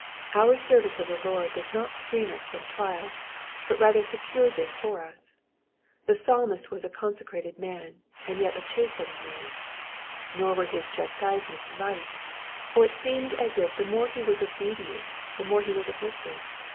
Our service of the Lord does not screen us from trial, but rather secures it for us. The Psalmist was a consecrated man, and yet a chastened man ; nor were his chastisements Ught ; for it seemed as if the more he was obedient the more he was afflicted.